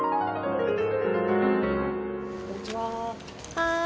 はい。